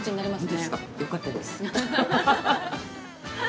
◆本当ですか、よかったです。